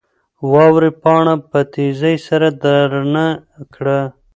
واورې پاڼه په تېزۍ سره درنه کړه.